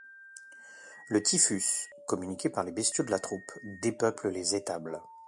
Le typhus, communiqué par les bestiaux de la troupe, dépeuple les étables.